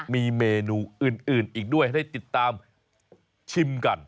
มีเมนูอื่นอีกด้วยให้ได้ติดตามชิมกัน